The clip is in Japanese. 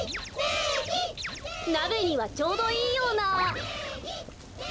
なべにはちょうどいいような。